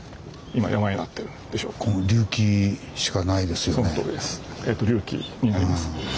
隆起になります。